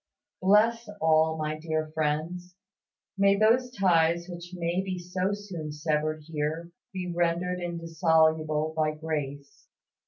Bless all my dear friends; may those ties which may be so soon severed here be rendered indissoluble by grace.